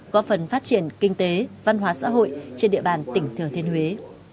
có phần phát triển kinh tế văn hóa xã hội trên địa bàn tỉnh thừa thiên huế